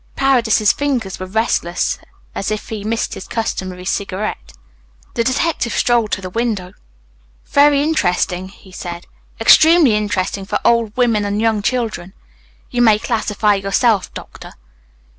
Paredes's fingers were restless, as if he missed his customary cigarette. The detective strolled to the window. "Very interesting," he said. "Extremely interesting for old women and young children. You may classify yourself, doctor."